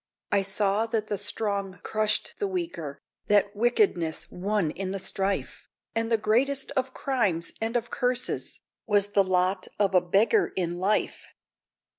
I saw that the strong crushed the weaker, That wickedness won in the strife, And the greatest of crimes and of curses Was the lot of a beggar in life!